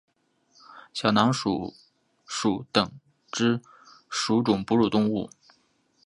小囊鼠属等之数种哺乳动物。